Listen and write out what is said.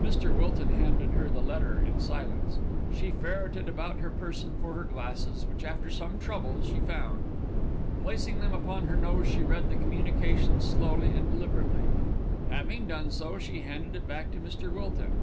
Mr. Wilton handed her the letter in silence. She ferreted about her person for her glasses, which after some trouble she found. Placing them upon her nose she read the communication slowly and deliberately. Having done so she handed it back to Mr. Wilton.